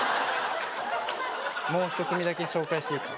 もう一組だけ紹介していいか？